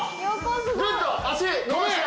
グッと足伸ばして。